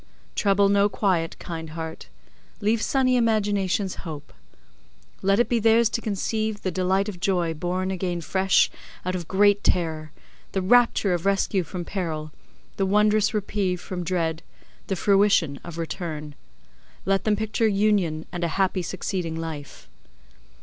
Trouble no quiet, kind heart; leave sunny imaginations hope. Let it be theirs to conceive the delight of joy born again fresh out of great terror, the rapture of rescue from peril, the wondrous reprieve from dread, the fruition of return. Let them picture union and a happy succeeding life.